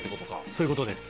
そういう事です。